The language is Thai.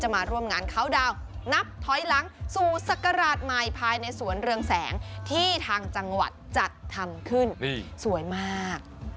มาร่วมงานเข้าดาวนนับถอยหลังสู่ศักราชใหม่ภายในสวนเรืองแสงที่ทางจังหวัดจัดทำขึ้นสวยมาก